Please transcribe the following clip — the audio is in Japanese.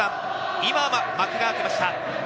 今、幕が開けました。